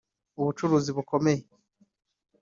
ubucuruzi bukomeye